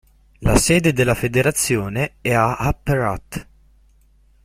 La sede della federazione è a Upper Hutt.